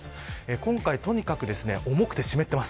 今回とにかく重くて湿っています。